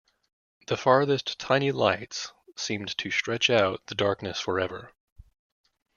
The farthest tiny lights seemed to stretch out the darkness for ever.